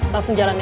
langsung jalan ya